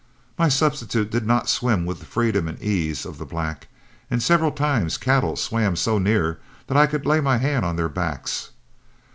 My substitute did not swim with the freedom and ease of the black, and several times cattle swam so near me that I could lay my hand on their backs.